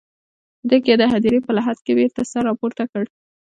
په کې د هديرې په لحد کې بېرته سر راپورته کړ.